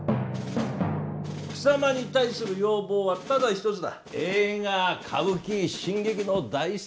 貴様に対する要望はただ一つだ。